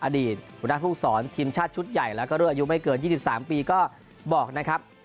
อดีตหัวหน้าภูมิสอนทีมชาติชุดใหญ่แล้วก็รุ่นอายุไม่เกิน๒๓ปีก็บอกนะครับ